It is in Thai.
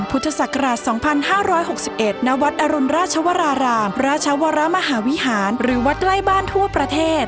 พุทธศักราช๒๕๖๑ณวัดอรุณราชวรารามราชวรมหาวิหารหรือวัดใกล้บ้านทั่วประเทศ